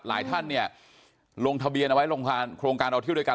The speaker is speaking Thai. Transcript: หลายท่านเนี่ยลงทะเบียนเอาไว้ลงโครงการเราเที่ยวด้วยกัน